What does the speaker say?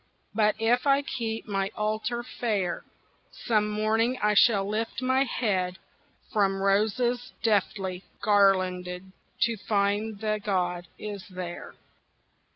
But if I keep my altar fair, Some morning I shall lift my head From roses deftly garlanded To find the god is there.